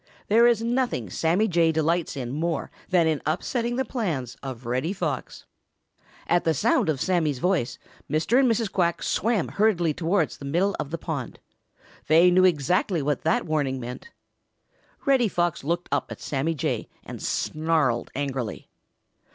There is nothing Sammy Jay delights in more than in upsetting the plans of Reddy Fox. At the sound of Sammy's voice, Mr. and Mrs. Quack swam hurriedly towards the middle of the pond. They knew exactly what that warning meant. Reddy Fox looked up at Sammy Jay and snarled angrily.